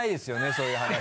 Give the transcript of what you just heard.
そういう話。